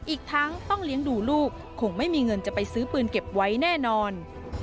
อีกทั้งต้องเลี้ยงดูลูกคงไม่มีเงินจะไปซื้อปืนเก็บไว้แน่นอน